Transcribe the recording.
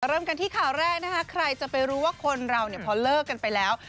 เริ่มกันที่ข่าวแรกนะคะใครจะไปรู้ว่าคนเราเนี่ยพอเลิกกันไปแล้ว